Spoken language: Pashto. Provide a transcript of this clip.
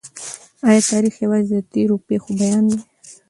آیا تاریخ یوازي د تېرو پېښو بیان دی؟